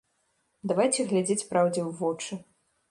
Давайце глядзець праўдзе ў вочы.